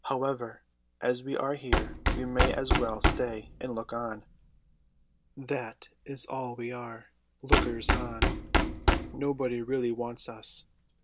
However, as we are here we may as well stay and look on. That is all we are, lookers on. Nobody really wants us.